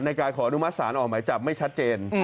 ในการขออนุมัติศาลออกหมายจับไม่ชัดเจน